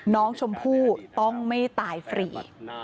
น้องชมพู่ต้องไม่ตายฟรี